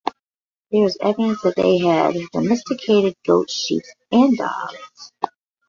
There is evidence that they had domesticated goats, sheep and dogs.